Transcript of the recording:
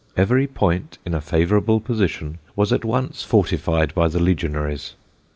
Every point in a favourable position was at once fortified by the legionaries.